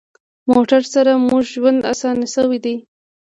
موټر سره مو ژوند اسانه شوی دی.